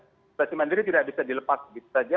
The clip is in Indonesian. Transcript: isolasi mandiri tidak bisa dilepas begitu saja